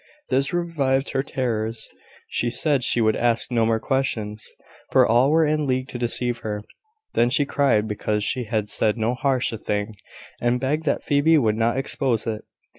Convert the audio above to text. This revived her terrors. She said she would ask no more questions, for all were in league to deceive her. Then she cried because, she had said so harsh a thing, and begged that Phoebe would not expose it.